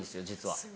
実は。